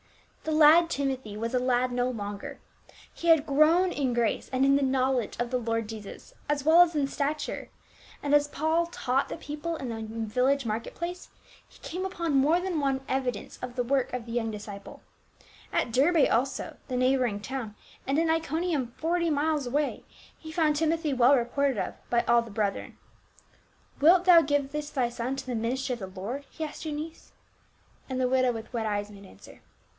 The lad Timothy was a lad no longer. He had grown in grace and in the knowledge of the Lord Jesus as well as in stature, and as Paul taught the people in the village market place, he came upon more than one evidence of the work of the young disciple. At Derbe also, the neighboring town, and in Iconium forty miles away, he found Timothy "well reported oi'" by all the brethren. FROM JERUSALEM TO GALATIA. 315 " Wilt thou give this thy son to the ministry of the Lord?" he asked Eunice. And the widow with wet eyes made answer.